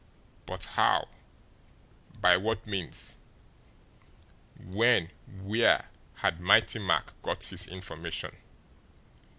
But how, by what means, when, where had Whitey Mack got his information?